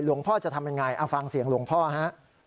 พ่อจะทำยังไงเอาฟังเสียงหลวงพ่อฮะ